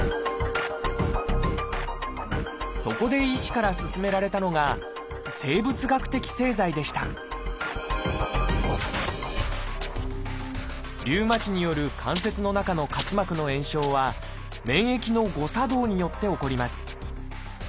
そこで医師から勧められたのがリウマチによる関節の中の滑膜の炎症は免疫の誤作動によって起こります。